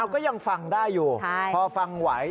ก็ยังฟังได้อยู่พอฟังไหว